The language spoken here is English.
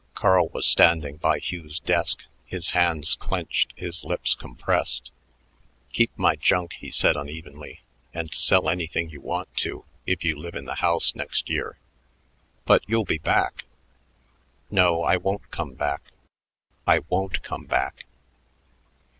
Carl was standing by Hugh's desk, his hands clenched, his lips compressed. "Keep my junk," he said unevenly, "and sell anything you want to if you live in the house next year." "But you'll be back?" "No, I won't come back I won't come back."